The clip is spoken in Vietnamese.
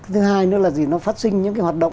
thứ hai nữa là gì nó phát sinh những cái hoạt động